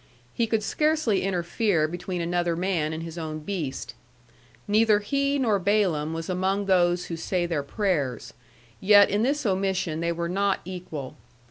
He could scarcely interfere between another man and his own beast. Neither he nor Balaam was among those who say their prayers. Yet in this omission they were not equal.